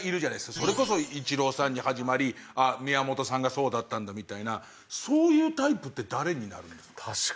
それこそイチローさんに始まり宮本さんがそうだったんだみたいなそういうタイプって誰になるんですか？